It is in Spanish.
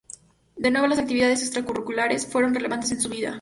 De nuevo, las actividades extracurriculares fueron relevantes en su vida.